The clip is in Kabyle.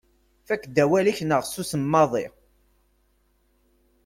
Fakk-d awal-ik neɣ susem maḍi.